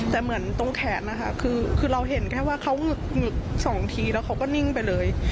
แต่เหมือนตรงแขนนะคะคือเราเห็นแค่ว่าเขาสองทีแล้วเขาก็นิ่งไปเลย